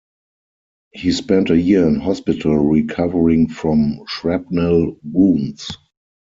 He spent a year in hospital recovering from shrapnel wounds.